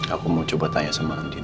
aku mau coba tanya sama andina